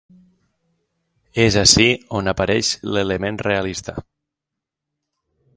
És ací on apareix l'element realista.